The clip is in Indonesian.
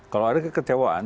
kalau ada kekecewaan